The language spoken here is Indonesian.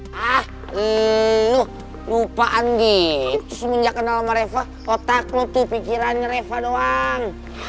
hah lo lupakan gi terus menjaga nama reva otak lo tuh pikirannya reva doang